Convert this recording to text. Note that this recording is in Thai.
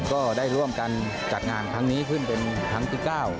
ก็ได้ร่วมกันจัดงานครั้งนี้ขึ้นเป็นครั้งที่๙